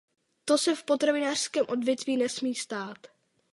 To se v potravinářském odvětví nesmí stát.